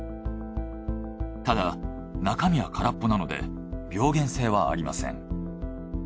ただ中身は空っぽなので病原性はありません。